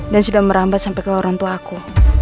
dan sudah merambat sampai ke orangtuaku